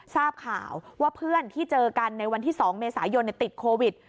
ทราบข่าวว่าเพื่อนที่เจอกันในวันที่๒เมษายนติดโควิด